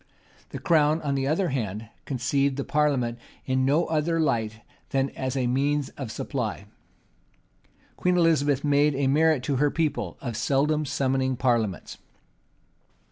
The crown, on the other hand, conceived the parliament in no other light than as a means of supply. Queen Elizabeth made a merit to her people of seldom summoning parliaments.